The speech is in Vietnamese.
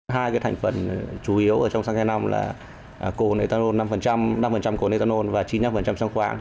hai thành phần chủ yếu trong xăng e năm là cồn ethanol năm năm cồn ethanol và chín mươi năm xăng khoáng